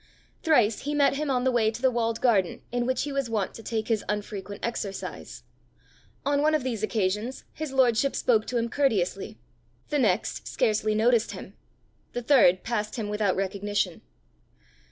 Thrice he met him on the way to the walled garden in which he was wont to take his unfrequent exercise; on one of these occasions his lordship spoke to him courteously, the next scarcely noticed him, the third passed him without recognition.